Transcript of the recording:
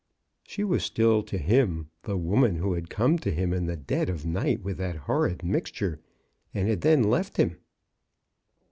She was still to him the woman who had come to him in the dead of night with that hor rid mixture — and had then left him.